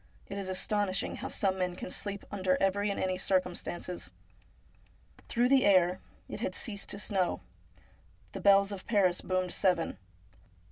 It is astonishing how some men can sleep under every and any circumstances. Through the air — it had ceased to snow — the bells of Paris boomed seven.